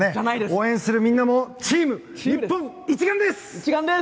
応援するみんなもチーム日本一丸です！